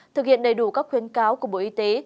thực hiện đầy đủ các khuyến cáo của bộ y tế